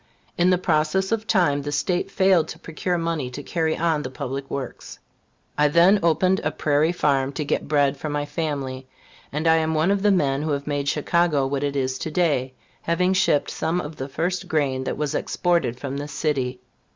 In the process of time, the State failed to procure money to carry on the public works. I then opened a prairie farm to get bread for my family, and I am one of the men who have made Chicago what it is to day, having shipped some of the first grain that was exported from this city.